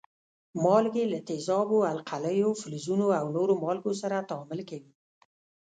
مالګې له تیزابو، القلیو، فلزونو او نورو مالګو سره تعامل کوي.